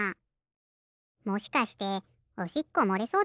もしかしておしっこもれそうだったとか？